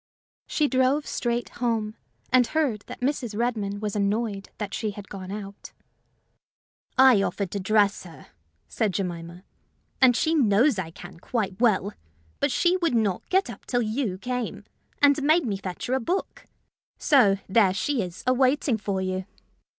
She drove straight home, and heard that Mrs. Redmain was annoyed that she had gone out. "I offered to dress her," said Jemima; "and she knows I can quite well; but she would not get up till you came, and made me fetch her a book. So there she is, a waiting for you!"